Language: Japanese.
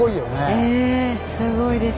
ええすごいです。